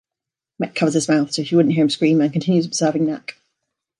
Mek covers his mouth, so she wouldn't hear him scream and continues observing Nak.